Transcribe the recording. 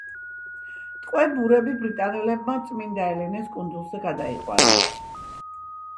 ტყვე ბურები ბრიტანელებმა წმინდა ელენეს კუნძულზე გადაიყვანეს.